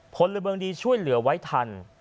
ผลบังดีช่วยเหลือไว้ทัน